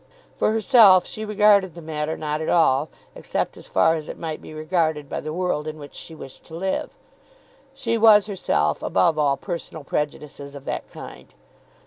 For herself she regarded the matter not at all, except as far as it might be regarded by the world in which she wished to live. She was herself above all personal prejudices of that kind.